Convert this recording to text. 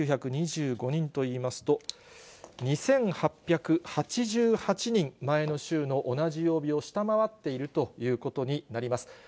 ８９２５人といいますと、２８８８人、前の週の同じ曜日を下回っているということになります。